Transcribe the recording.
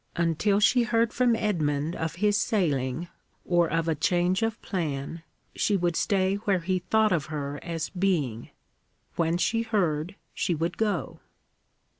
Until she heard from Edmund of his sailing, or of a change of plan, she would stay where he thought of her as being. When she heard, she would go.